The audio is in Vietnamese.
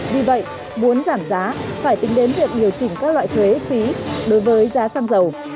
vì vậy muốn giảm giá phải tính đến việc điều chỉnh các loại thuế phí đối với giá xăng dầu